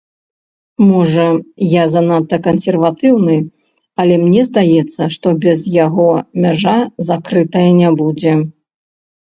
Можа, я занадта кансерватыўны, але мне здаецца, што без яго мяжа закрытая не будзе.